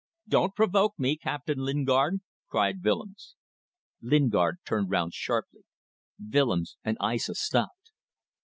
"Don't provoke me, Captain Lingard," cried Willems. Lingard turned round sharply. Willems and Aissa stopped.